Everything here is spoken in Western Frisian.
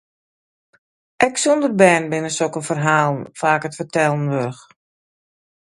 En ek sûnder bern binne sokke ferhalen faak it fertellen wurdich.